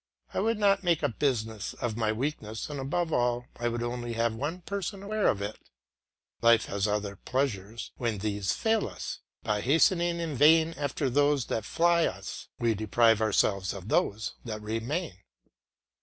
I would not make a business of my weakness, and above all I would only have one person aware of it. Life has other pleasures when these fail us; by hastening in vain after those that fly us, we deprive ourselves of those that remain.